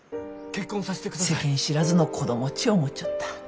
世間知らずの子供っち思っちょった。